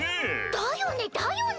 だよねだよね！